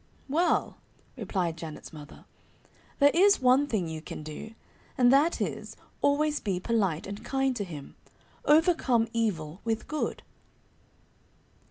"Well," replied Janet's mother, "there is one thing you can do, and that is, always be polite and kind to him. 'Overcome evil with good.'"